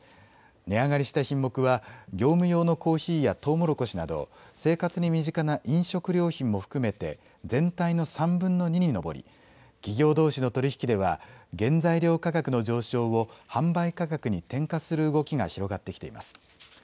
値上がりした品目は業務用のコーヒーやとうもろこしなど生活に身近な飲食料品も含めて全体の３分の２に上り、企業どうしの取り引きでは原材料価格の上昇を販売価格に転嫁する動きが広がってきています。